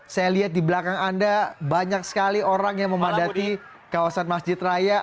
saya lihat di belakang anda banyak sekali orang yang memadati kawasan masjid raya